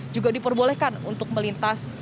juga diperbolehkan untuk melintas